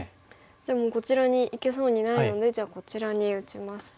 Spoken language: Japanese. じゃあこちらにいけそうにないのでじゃあこちらに打ちますと。